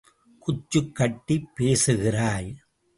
குச்சுக் கட்டிப் பேசுகிறாய்.